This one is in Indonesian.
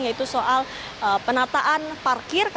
yaitu soal penataan parkir